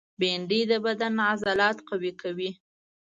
بېنډۍ د بدن عضلات قوي کوي